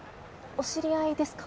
お知り合いですか？